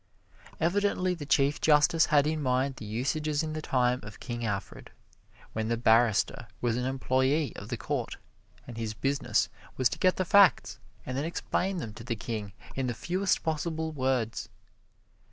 Evidently the Chief Justice had in mind the usages in the time of King Alfred, when the barrister was an employee of the court, and his business was to get the facts and then explain them to the King in the fewest possible words.